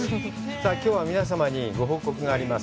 きょうは皆様にご報告があります。